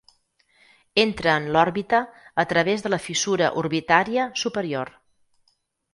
Entra en l'òrbita a través de la fissura orbitària superior.